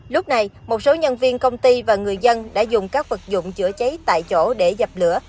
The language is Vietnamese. lúc này một số nhân viên công ty và người dân đã dùng các vật dụng chữa cháy tại chỗ để dập lửa